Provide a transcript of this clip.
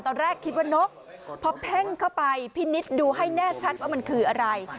ตอนแรกคิดว่านกพอเพ่งเข้าไปพี่นิดดูให้แน่ชัดว่ามันคืออะไร